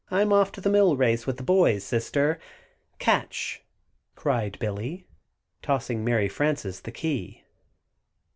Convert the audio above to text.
"] "I'm off to the mill race, with the boys, Sister, catch!" cried Billy, tossing Mary Frances the key.